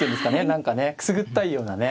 何かねくすぐったいようなね